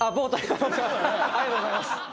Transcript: ありがとうございます。